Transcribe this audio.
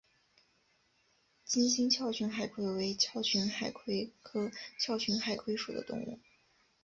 金星鞘群海葵为鞘群海葵科鞘群海葵属的动物。